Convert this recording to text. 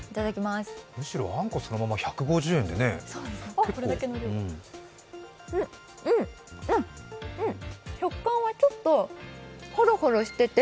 むしろ、あんこそのまま１５０円ってね、結構ん、食感はちょっとホロホロしてて、